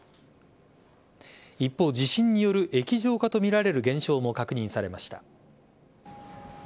一方、地震による液状化とみられる現象も確認されました。